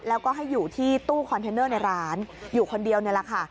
แล้วก็ให้อยู่ที่ตู้คอนเทนเนอร์ในร้านอยู่คนเดียวนี่แหละค่ะ